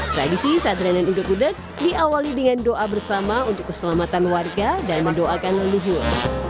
tradisi sadran udeg udeg diawali dengan doa bersama untuk keselamatan warga dan mendoakan leluhur